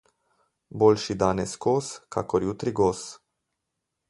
Boljši danes kos kakor jutri gos.